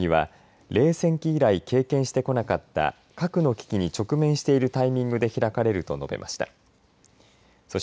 今回の会議は冷戦期依頼、経験してこなかった核の危機に直面しているタイミングで開かれると述べました。